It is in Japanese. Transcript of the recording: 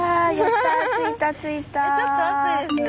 ちょっと暑いですね。